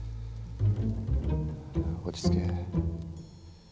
落ち着け。